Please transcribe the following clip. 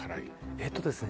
えっとですね